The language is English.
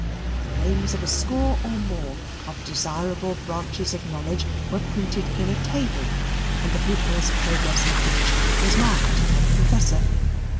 The names of a score or more of desirable branches of knowledge were printed in a table, and the pupil's progress in each was marked by the professor.